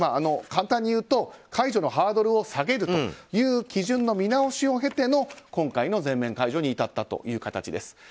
簡単に言うと解除のハードルを下げるという基準の見直しを経ての今回の全面解除に至ったという形です。